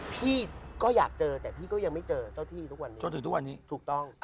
พี่ก็อยากเจอแต่พี่ก็ยังไม่เจอเจ้าที่ทุกวันนี้จนถึงทุกวันนี้ถูกต้อง